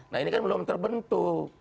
nah ini kan belum terbentuk